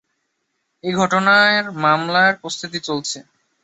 এ ঘটনায় মামলার প্রস্তুতি চলছে।